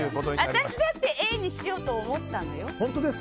私だってＡにしようと思ったんだよ。